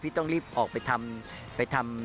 พี่ต้องรีบออกไปทำหนัง